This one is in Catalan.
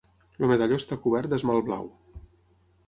El medalló està cobert d'esmalt blau.